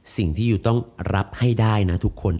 สิ่งที่ยูต้องรับให้ได้นะทุกคน